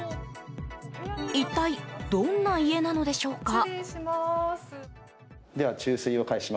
一体、どんな家なのでしょうか。